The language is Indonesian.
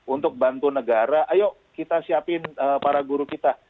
untuk bantu negara ayo kita siapin para guru kita